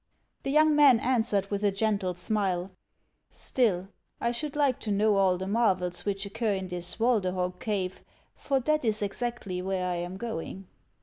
The young man answered, with a gentle smile :" Still, I should like to know all the marvels which occur in this Walderhog cave; for that is exactly where I am going."